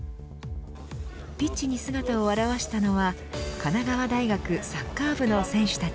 ピッチに姿を現したのは神奈川大学サッカー部の選手たち。